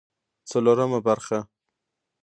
څلورمه برخه